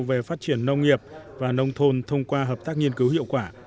về phát triển nông nghiệp và nông thôn thông qua hợp tác nghiên cứu hiệu quả